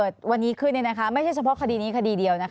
ดีค่ะไม่ใช่เฉพาะคดีนี้คดีเดียว